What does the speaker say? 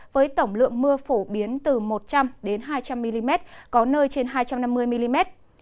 với tổng lượng mưa phổ biến từ một trăm linh hai trăm linh mm có nơi trên hai trăm năm mươi mm